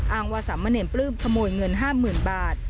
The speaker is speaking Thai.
อ้างว่าสามะเนมปลื้มขโมยเงินห้ามหมื่นบาท